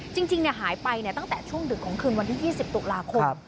จริงหายไปตั้งแต่ช่วงดึกของคืนวันที่๒๐ตุลาคม